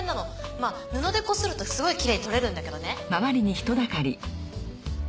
まあ布でこするとすごいきれいに取れるんだけどねうん。